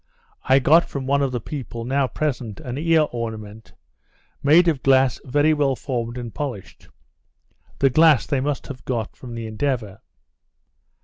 I got from one of the people, now present, an ear ornament, made of glass very well formed and polished. The glass they must have got from the Endeavour.